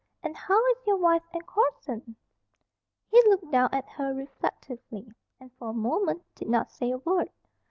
And how is your wife and Corson?" He looked down at her reflectively, and for a moment did not say a word.